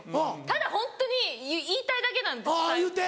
ただホントに言いたいだけなんですけど。